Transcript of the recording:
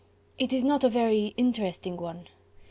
"It is not a very interesting one.